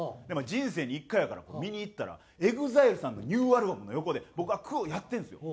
人生に１回やから見に行ったらＥＸＩＬＥさんのニューアルバムの横で僕が「クーッ」をやってるんですよ。